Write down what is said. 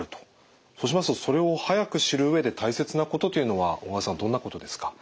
そうしますとそれを早く知る上で大切なことというのは小川さんどんなことですか？